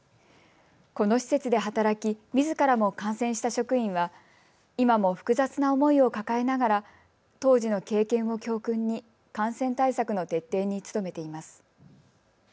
この施設で働きみずからも感染した職員は今も複雑な思いを抱えながら当時の経験を教訓に感染対策の徹底に努めています。